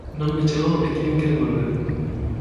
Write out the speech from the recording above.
Non me chegou e tiven que devolvelo.